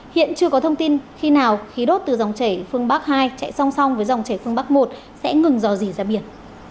hiện chưa có thông tin khi nào khí đốt từ dòng chảy phương bắc hai chạy song song với dòng chảy phương bắc một sẽ ngừng dò dỉ ra biển